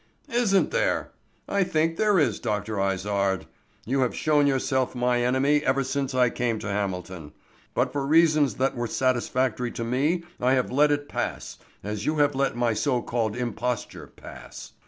"Isn't there? I think there is, Dr. Izard. You have shown yourself my enemy ever since I came to Hamilton; but for reasons that were satisfactory to me I have let it pass, as you have let my so called imposture pass.